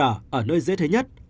ở nơi dễ thế nhất